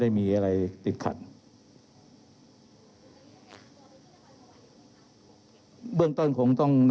เรามีการปิดบันทึกจับกลุ่มเขาหรือหลังเกิดเหตุแล้วเนี่ย